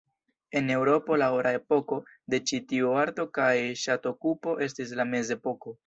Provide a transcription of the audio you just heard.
En Eŭropo la ora epoko de ĉi tiu arto kaj ŝatokupo estis la mezepoko.